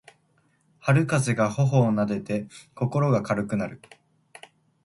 春風が頬をなでて心が軽くなる